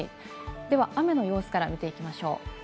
では雨の様子から見ていきましょう。